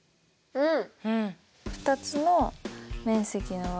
うん。